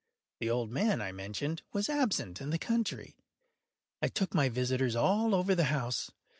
The old man, I mentioned, was absent in the country. I took my visitors all over the house.